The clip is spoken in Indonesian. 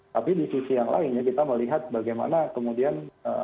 tapi di sisi yang lainnya kita melihat bagaimana kemudian